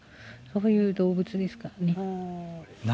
そういう動物ですからね。